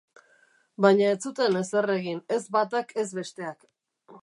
Baina ez zuten ezer egin, ez batak ez besteak.